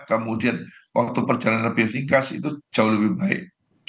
kemudian waktu perjalanan befikas itu jauh lebih baik